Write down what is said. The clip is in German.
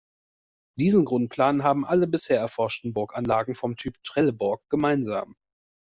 Diesen Grundplan haben alle bisher erforschten Burganlagen vom Typ Trelleborg gemeinsam.